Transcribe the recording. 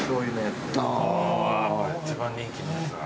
一番人気のやつだ。